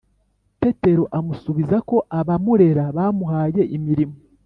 tetero amusubiza ko abamurera bamuhaye imirimo.